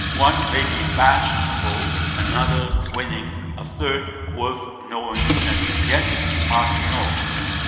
One may be bashful, another winning, a third worth knowing and yet hard to know.